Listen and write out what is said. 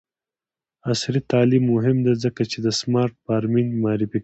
عصري تعلیم مهم دی ځکه چې د سمارټ فارمینګ معرفي کوي.